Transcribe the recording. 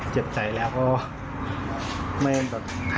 เจ็บใจแล้วก็